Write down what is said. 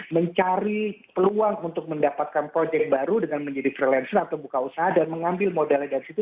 mencari peluang untuk mendapatkan project baru dengan menjadi freelancer atau buka usaha dan mengambil modalnya dari situ